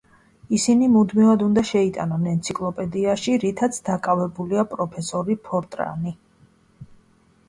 ისინი მუდმივად უნდა შეიტანონ ენციკლოპედიაში, რითაც დაკავებულია პროფესორი ფორტანი.